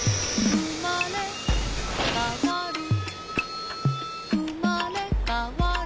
「うまれかわるうまれかわる」